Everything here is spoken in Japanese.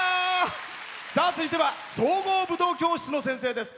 続いては総合武道教室の先生です。